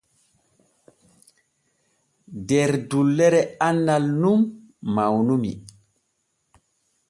Der dullere annal nun mawnumi.